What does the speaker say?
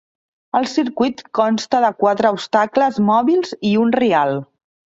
El circuit consta de quatre obstacles mòbils i un rial.